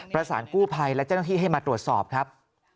ประสานกู้ภัยและเจ้าหน้าที่ให้มาตรวจสอบครับ